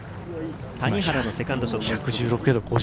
谷原のセカンドショット。